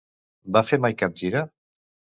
Va fer mai cap gira?